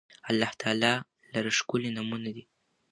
الله تعالی لره ښکلي نومونه دي